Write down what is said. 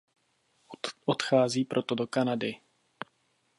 Odchází proto do Kanady.